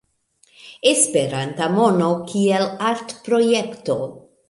Esperanta mono kiel artprojekto.